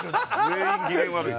全員機嫌悪い。